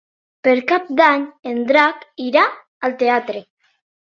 Per Cap d'Any en Drac irà al teatre.